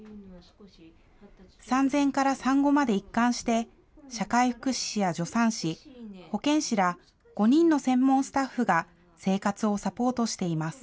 産前から産後まで一貫して、社会福祉士や助産師、保健師ら５人の専門スタッフが生活をサポートしています。